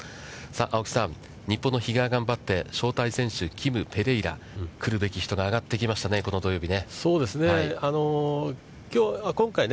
さあ、加瀬さん、日本の比嘉が頑張って、招待選手、金、ペレイラ、来るべき人が上がってきましたね、この土曜日。